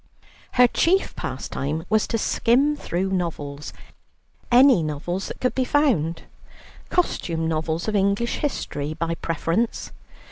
Her chief pastime was to skim through novels, any novels that could be found, costume novels of English history by preference.